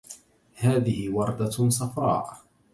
هذه وردة صفراء.